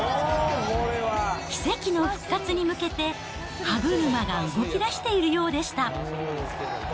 奇跡の復活に向けて、歯車が動きだしているようでした。